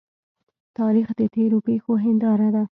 تاریخ د تیرو پیښو هنداره ده.